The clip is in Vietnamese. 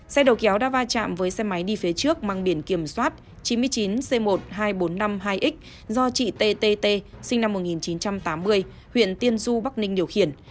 xe đầu kéo đã va chạm với xe máy đi phía trước mang biển kiểm soát chín mươi chín c một mươi hai nghìn bốn trăm năm mươi hai x do chị tt sinh năm một nghìn chín trăm tám mươi huyện tiên du bắc ninh điều khiển